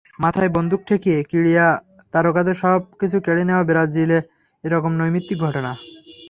মাথায় বন্দুক ঠেকিয়ে ক্রীড়া তারকাদের সবকিছু কেড়ে নেওয়া ব্রাজিলে একরকম নৈমিত্তিক ঘটনা।